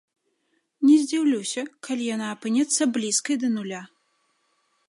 Не здзіўлюся, калі яна апынецца блізкай да нуля.